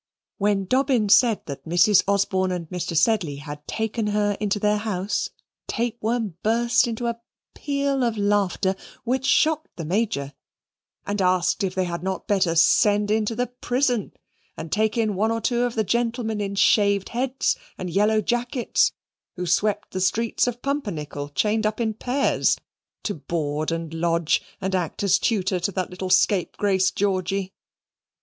When Dobbin said that Mrs. Osborne and Mr. Sedley had taken her into their house, Tapeworm burst into a peal of laughter which shocked the Major, and asked if they had not better send into the prison and take in one or two of the gentlemen in shaved heads and yellow jackets who swept the streets of Pumpernickel, chained in pairs, to board and lodge, and act as tutor to that little scapegrace Georgy.